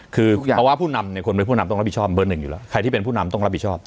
คือเพราะว่าผู้นำเนี่ยคนเป็นผู้นำต้องรับผิดชอบเบอร์หนึ่งอยู่แล้วใครที่เป็นผู้นำต้องรับผิดชอบ